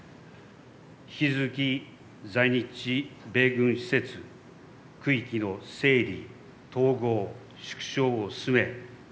引き続き、在日米軍施設・区域の整理・統合・縮小を進め